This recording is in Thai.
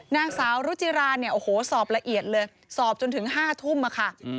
นางสาวรุจิราเนี่ยโอ้โหสอบละเอียดเลยสอบจนถึง๕ทุ่มค่ะ